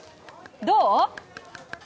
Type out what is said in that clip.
どう？